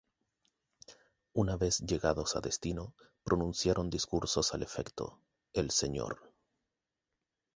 Una vez llegados a destino, pronunciaron discursos al efecto, el Sr.